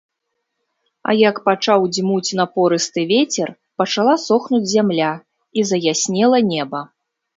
А як пачаў дзьмуць напорысты вецер, пачала сохнуць зямля і заяснела неба.